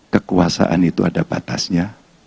kekuasaan itu ada batasnya